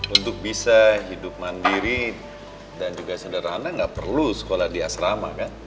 untuk bisa hidup mandiri dan juga sederhana nggak perlu sekolah di asrama kan